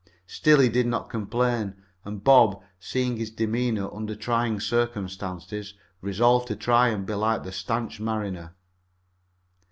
Still he did not complain, and Bob, seeing his demeanor under trying circumstances, resolved to try and be like the stanch mariner.